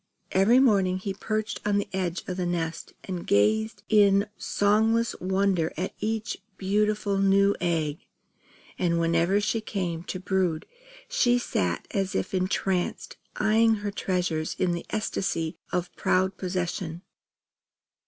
Every morning he perched on the edge of the nest and gazed in songless wonder at each beautiful new egg; and whenever she came to brood she sat as if entranced, eyeing her treasures in an ecstasy of proud possession.